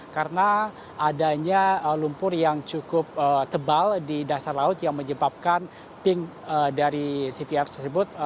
karena adanya lumpur yang cukup tebal di dasar laut yang menyebabkan ping dari cvr tersebut